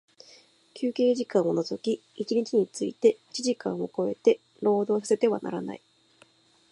休憩時間を除き一日について八時間を超えて、労働させてはならない。